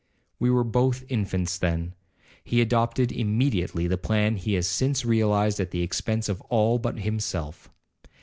'We were both infants then. He adopted immediately the plan he has since realized at the expence of all but himself.